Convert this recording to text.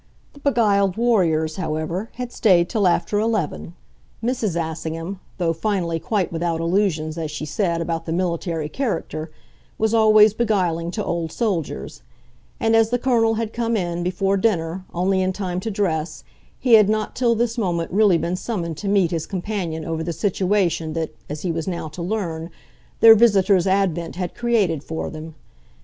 The beguiled warriors, however, had stayed till after eleven Mrs. Assingham, though finally quite without illusions, as she said, about the military character, was always beguiling to old soldiers; and as the Colonel had come in, before dinner, only in time to dress, he had not till this moment really been summoned to meet his companion over the situation that, as he was now to learn, their visitor's advent had created for them.